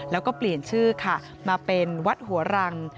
แล้วก็เปลี่ยนชื่อค่ะมาเป็นวัดหัวรัง